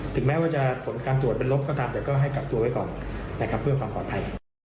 ถึงแม้ว่าจะผลการตรวจเป็นลบก็ให้กลับตัวไว้ก่อนเพื่อความปลอดภัย